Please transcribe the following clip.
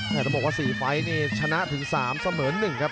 แต่ต้องบอกว่า๔ไฟล์นี่ชนะถึง๓เสมอ๑ครับ